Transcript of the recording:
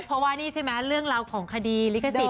เพราะว่านี่ใช่ไหมเรื่องของคดีลิขสิทธิ์๕เพลง